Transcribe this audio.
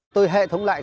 tôi hệ thống lại